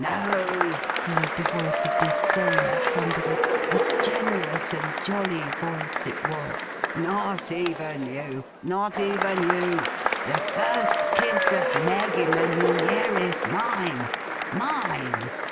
'No!' cried the voice of this same somebody; a generous and jolly voice it was! 'Not even you. Not even you. The first kiss of Meg in the New Year is mine. Mine!